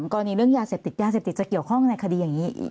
กรณีเรื่องยาเสพติดจะเกี่ยวข้องกับในคดีอย่างนี้